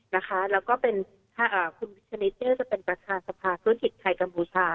และคุณคณิตนี่จะเป็นประธานสภาษณ์ธุรกิจไทยกัมพูชา